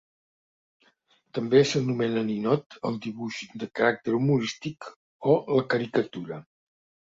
També s'anomena ninot el dibuix de caràcter humorístic o la caricatura.